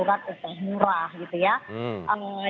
berarti murah gitu ya